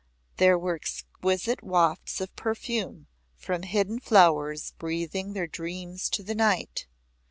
There were exquisite wafts of perfume from hidden flowers breathing their dreams to the night.